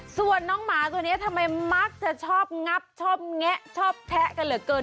ส่วนน้องหมาตัวนี้ทำไมมักจะชอบงับชอบแงะชอบแพะกันเหลือเกิน